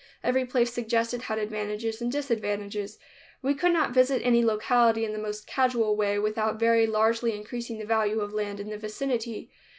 Every place suggested had advantages and disadvantages. We could not visit any locality in the most casual way without very largely increasing the value of land in the vicinity.